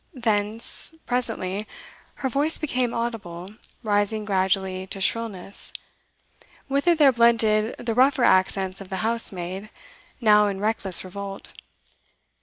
Thence, presently, her voice became audible, rising gradually to shrillness; with it there blended the rougher accents of the housemaid, now in reckless revolt.